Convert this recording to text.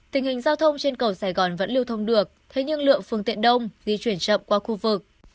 tình hình giao thông trên cầu sài gòn vẫn lưu thông được thế nhưng lượng phương tiện đông di chuyển chậm qua khu vực